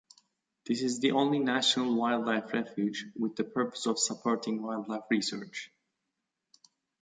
This is the only National Wildlife Refuge with the purpose of supporting wildlife research.